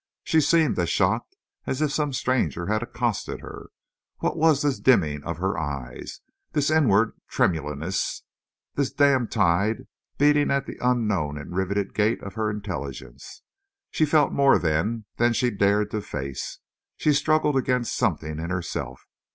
She seemed as shocked as if some stranger had accosted her. What was this dimming of her eye, this inward tremulousness; this dammed tide beating at an unknown and riveted gate of her intelligence? She felt more then than she dared to face. She struggled against something in herself.